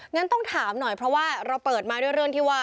งั้นต้องถามหน่อยเพราะว่าเราเปิดมาด้วยเรื่องที่ว่า